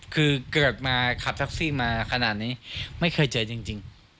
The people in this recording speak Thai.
คือเกิดมาขับแท็กซี่มาขนาดนี้ไม่เคยเจอจริง